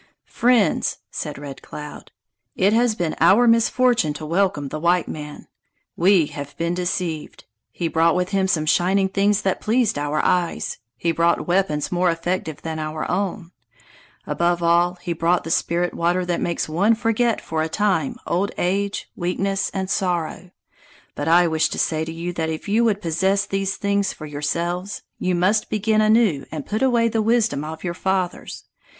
"Friends," said Red Cloud, "it has been our misfortune to welcome the white man. We have been deceived. He brought with him some shining things that pleased our eyes; he brought weapons more effective than our own: above all, he brought the spirit water that makes one forget for a time old age, weakness, and sorrow. But I wish to say to you that if you would possess these things for yourselves, you must begin anew and put away the wisdom of your fathers.